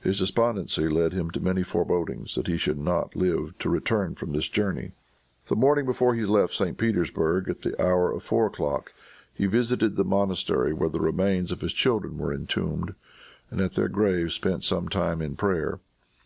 His despondency led him to many forebodings that he should not live to return from this journey. The morning before he left St. Petersburg, at the early hour of four o'clock, he visited the monastery where the remains of his children were entombed, and at their grave spent some time in prayer.